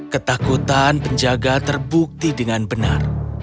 ketakutan penjaga terbukti dengan benar